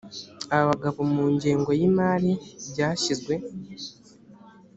abagabo mu ngengo y imari byashyizwe